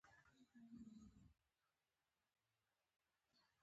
د پټې خزانې مولف وايي بي بي زینب ادیبه او شاعره هم وه.